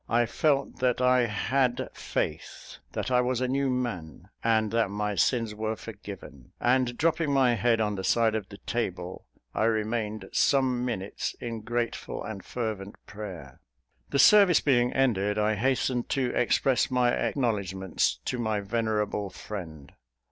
I felt that I had faith that I was a new man and that my sins were forgiven; and, dropping my head on the side of the table, I remained some minutes in grateful and fervent prayer. The service being ended, I hastened to express my acknowledgments to my venerable friend.